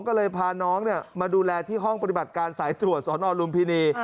ก็เลยพาน้องมาดูแลที่ห้องปฏิบัติการสายตรวจสอนอลุมพินี